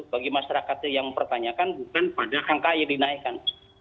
bagi masyarakat yang mempertanyakan bukan pada angka yang dinaikkan